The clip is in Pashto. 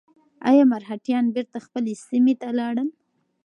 ایا مرهټیان بېرته خپلې سیمې ته لاړل؟